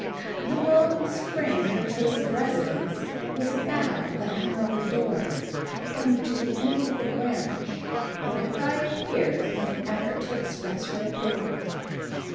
The following spring her choice of residence was a bough that hung over the door, coming to the end of the branch whenever I appeared in an effort to express her approval.